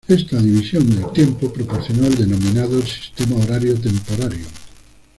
Esta división del tiempo proporcionó el denominado sistema horario temporario.